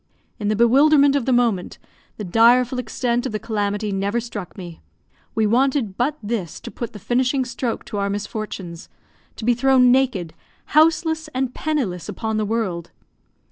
In the bewilderment of the moment, the direful extent of the calamity never struck me; we wanted but this to put the finishing stroke to our misfortunes, to be thrown naked, houseless, and penniless, upon the world.